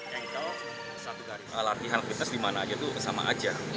yang itu satu dari latihan fitness dimana aja itu sama aja